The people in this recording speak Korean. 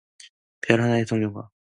별 하나에 동경과